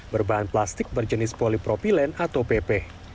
berbahan plastik berjenis polipropilen atau pp